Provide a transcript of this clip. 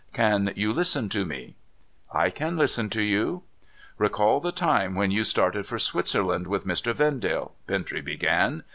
Can you listen to me ?'' I can listen to you.' ' Recall the time when you started for Switerland with Mr. Vendale,' Bintrey began.